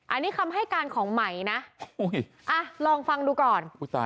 อันนี้คำให้การของไหมนะลองฟังดูก่อน